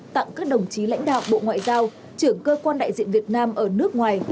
tặng các đồng chí lãnh đạo bộ ngoại giao trưởng cơ quan đại diện việt nam ở nước ngoài